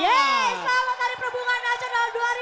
selamat hari perhubungan nasional